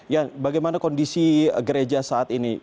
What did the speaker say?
ya bagaimana kondisi gereja saat ini